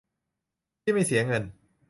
ที่ไม่เสียเงิน